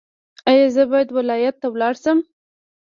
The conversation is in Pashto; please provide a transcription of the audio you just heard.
ایا زه باید ولایت ته لاړ شم؟